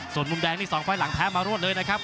ส่วนมุมแดงนี่๒ไฟล์หลังแพ้มารวดเลยนะครับ